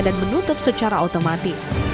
dan menutup secara otomatis